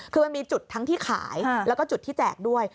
คือมันมีจุดทั้งที่ขายแล้วก็จุดที่แจกด้วย